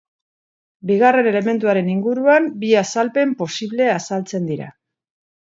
Bigarren elementuaren inguruan bi azalpen posible azaltzen dira.